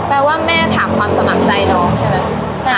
แปลว่าแม่ถามความสนับใจน้องใช่มั้ย